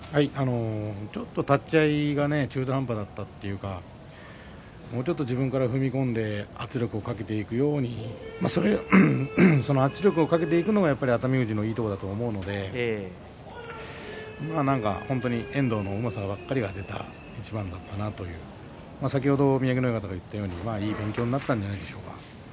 ちょっと立ち合いが中途半端だったというかもうちょっと自分で踏み込んで圧力をかけていくのが熱海富士のいいところだと思うので何か遠藤のうまさばっかりが出た一番だったなと宮城野親方が言ったようにいい勉強になったんではないでしょうか。